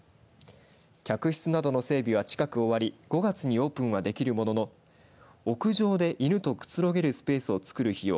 客室などの整備は近く終わり５月にオープンはできるものの屋上で犬とくつろげるスペースを作る費用